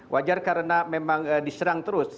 wajar karena memang diserang terus